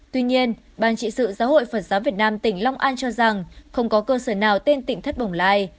tuy nhiên ban trị sự giáo hội phật giáo việt nam tỉnh long an cho rằng không có cơ sở nào tên tỉnh thất bồng lai